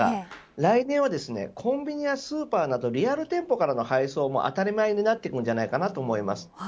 来年は、コンビニやスーパーなどリアル店舗からの配送も当たり前になってくると思います。